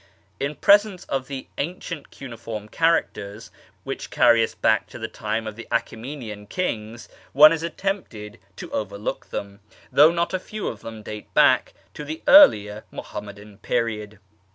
In pre sence of the ancient cuneiform characters, which carry us back to the time of the Achteraenian kings, one is tempted to over look them, though not a few of them date back to the earlier Muhammadan period.